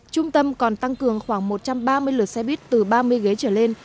trung tâm còn tăng cường khoảng một trăm ba mươi lượt xe buýt từ ba mươi ghế trở lên